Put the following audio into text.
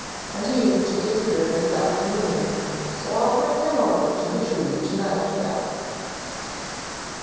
And he's to get here this afternoon; so I'll bring him over to the tree to night, Ben."